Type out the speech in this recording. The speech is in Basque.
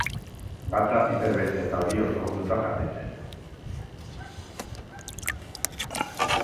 Gatza piper beltza eta olioz lagunduta jaten zen.